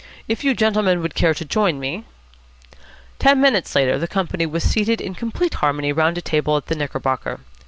If you gentlemen would care to join me " Ten minutes later the company was seated in complete harmony round a table at the Knickerbocker.